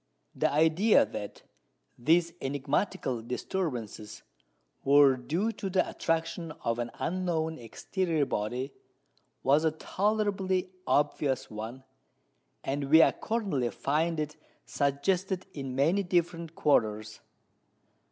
The idea that these enigmatical disturbances were due to the attraction of an unknown exterior body was a tolerably obvious one; and we accordingly find it suggested in many different quarters.